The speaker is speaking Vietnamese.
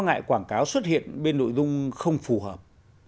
ngại quảng cáo xuất hiện bên nội dung không phù hợp